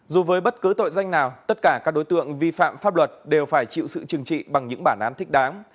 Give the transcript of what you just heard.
dù với bất cứ tội danh nào tất cả các đối tượng vi phạm pháp luật đều phải chịu sự chừng trị bằng những bản án thích đáng